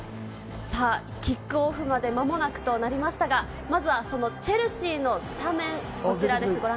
キックオフまで間もなくとなりましたが、まずはそのチェルシーのスタメン、こちらです。